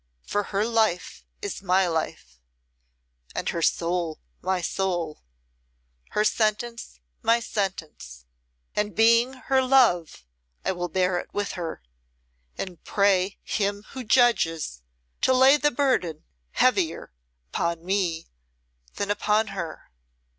For her life is my life, and her soul my soul, her sentence my sentence; and being her love I will bear it with her, and pray Him who judges to lay the burden heavier upon me than upon her."